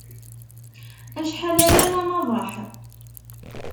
Acḥal aya d anaḍeḥ.